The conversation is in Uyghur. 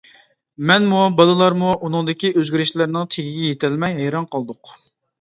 مەنمۇ، بالىلارمۇ ئۇنىڭدىكى ئۆزگىرىشلەرنىڭ تېگىگە يېتەلمەي ھەيران قالدۇق.